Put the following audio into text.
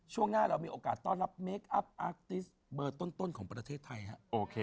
ช่วงหน้าเรามีโอกาสต้อนรับเมคอัพอาร์ติสเบอร์ต้นของประเทศไทยฮะโอเค